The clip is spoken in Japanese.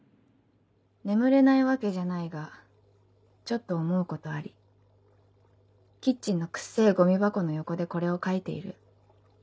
眠れないわけじゃないがちょっと思うことありキッチンの臭ぇゴミ箱の横でこれを書いている。